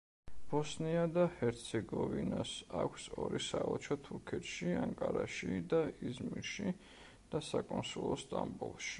ბოსნია და ჰერცეგოვინას აქვს ორი საელჩო თურქეთში ანკარაში და იზმირში და საკონსულო სტამბოლში.